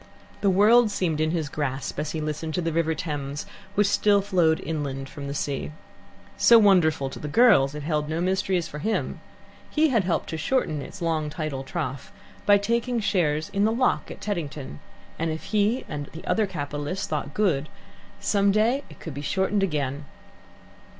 The world seemed in his grasp as he listened to the River Thames, which still flowed inland from the sea. So wonderful to the girls, it held no mysteries for him. He had helped to shorten its long tidal trough by taking shares in the lock at Teddington, and if he and other capitalists thought good, some day it could be shortened again.